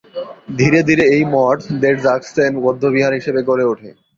ধীরে ধীরে এই মঠ র্দ্জোগ্স-ছেন বৌদ্ধবিহার হিসেবে গড়ে ওঠে।